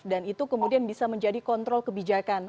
dan itu kemudian bisa menjadi kontrol kebijakan